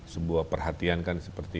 sebuah perhatian kan seperti